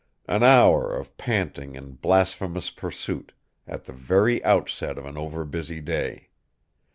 An hour of panting and blasphemous pursuit, at the very outset of an overbusy day.